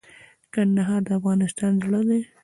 کندهار د افغانستان زړه دي